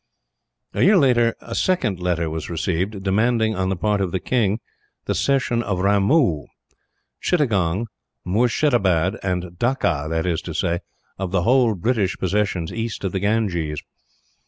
"A year later a second letter was received, demanding on the part of the king the cession of Ramoo, Chittagong, Moorshedabad, and Dacca; that is to say, of the whole British possessions east of the Ganges.